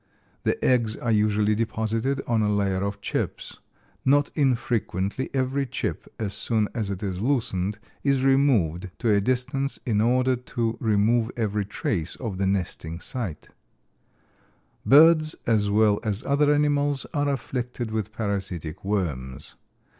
The eggs are usually deposited on a layer of chips. Not infrequently every chip, as soon as it is loosened, is removed to a distance in order to remove every trace of the nesting site. Birds as well as other animals are afflicted with parasitic worms.